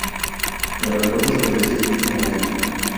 En la foto se aprecia dicho momento.